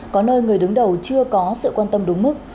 có nơi người đứng đầu chưa có sự quan tâm đúng mức